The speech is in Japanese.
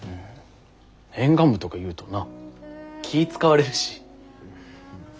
沿岸部とか言うとな気ぃ遣われるし。